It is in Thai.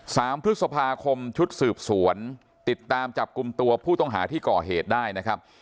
สามพฤษภาคมชุดสืบสวนติดตามจับกลุ่มตัวผู้ต้องหาที่ก่อเหตุได้นะครับ